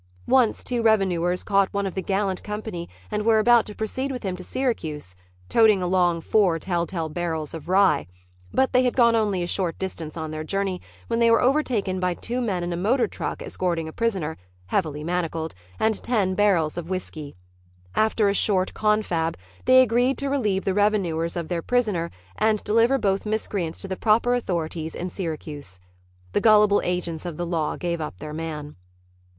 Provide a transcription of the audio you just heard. Once two revenooers caught one of the gallant company and were about to proceed with him to Syracuse, toting along four telltale barrels of rye. But they had gone only a short distance on their journey when they were overtaken by two men in a motor truck escorting a prisoner, heavily manacled, and ten barrels of whiskey. After a short confab they agreed to relieve the revenuers of their prisoner and deliver both miscreants to the proper authorities in Syracuse. The gullible agents of the law gave up their man.